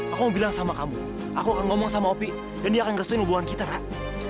aku mau bilang sama kamu aku akan ngomong sama opi dan dia akan ngerestuin hubungan kita rak